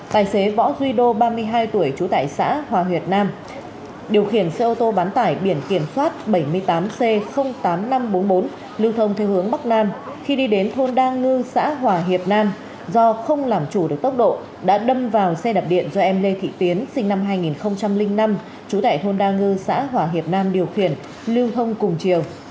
tài xế võ duy đô ba mươi hai tuổi trú tại xã hòa hiệp nam điều khiển xe ô tô bán tải biển kiểm soát bảy mươi tám c tám nghìn năm trăm bốn mươi bốn lưu thông theo hướng bắc nam khi đi đến thôn đa ngư xã hòa hiệp nam do không làm chủ được tốc độ đã đâm vào xe đập điện do em lê thị tiến sinh năm hai nghìn năm trú tại thôn đa ngư xã hòa hiệp nam điều khiển lưu thông cùng chiều